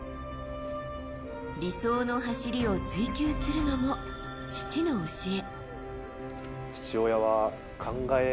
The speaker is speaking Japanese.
理想の走りを追求するのも父の教え。